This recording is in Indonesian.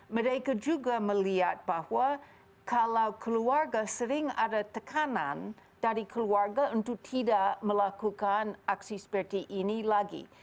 mereka juga melihat bahwa kalau keluarga sering ada tekanan dari keluarga untuk tidak melakukan aksi seperti ini lagi